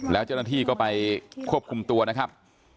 แล้วเจ้าหน้าที่ก็ไปควบคุมตัวนะครับ